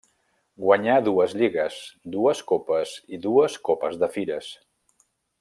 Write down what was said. Guanyà dues lligues, dues copes i dues Copes de Fires.